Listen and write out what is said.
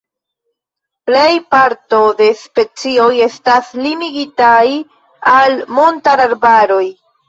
Plej parto de specioj estas limigitaj al montararbaroj.